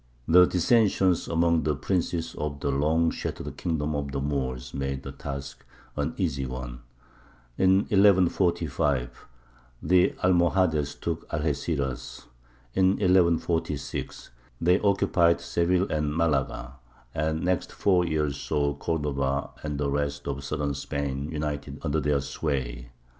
The dissensions among the princes of the long shattered kingdom of the Moors made the task an easy one. In 1145 the Almohades took Algeciras; in 1146 they occupied Seville and Malaga, and the next four years saw Cordova and the rest of southern Spain united under their sway.